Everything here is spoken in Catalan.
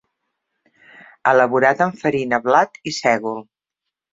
Elaborat amb farina blat i sègol.